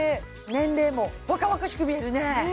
年齢も若々しく見えるね